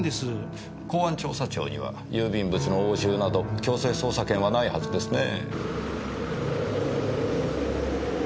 公安調査庁には郵便物の押収など強制捜査権はないはずですねぇ。